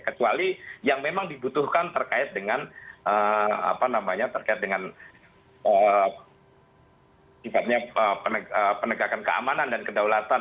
kecuali yang memang dibutuhkan terkait dengan penegakan keamanan dan kedaulatan